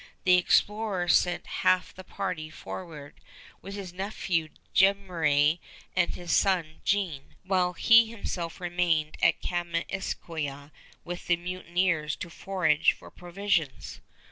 The explorer sent half the party forward with his nephew Jemmeraie and his son Jean, while he himself remained at Kaministiquia with the mutineers to forage for provisions.